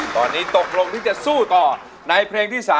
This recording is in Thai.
ตอนนี้ตกลงที่จะสู้ต่อในเพลงที่๓